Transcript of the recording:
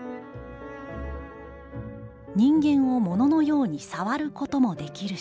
「人間を物のように『さわる』こともできるし」。